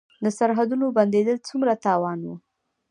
د سرحدونو بندیدل څومره تاوان و؟